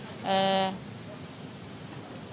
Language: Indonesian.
dan kita juga harus mencari jalan lain